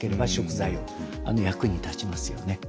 役に立ちますよね。